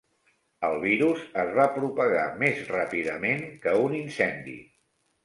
El virus es va propagar més ràpidament que un incendi.